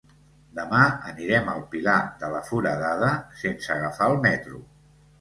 Demà anirem al Pilar de la Foradada sense agafar el metro.